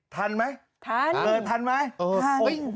ทันมั้ยเจอทันมั้ยทัน